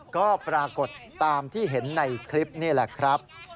ก็ปรากฏตามที่เห็นในคลิปนี่แหละครับ